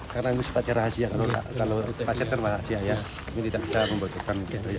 karena ini sifatnya rahasia kalau pasien terbahasia ya